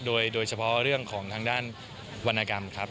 โดยเฉพาะเรื่องของทางด้านวรรณกรรมครับ